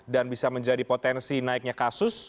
dan bisa menjadi potensi naiknya kasus